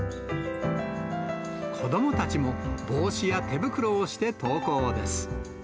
子どもたちも帽子や手袋をして登校です。